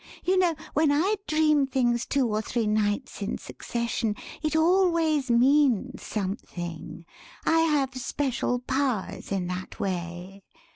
You know, when I dream things two or three nights in succession, it always means something; I have special powers in that way.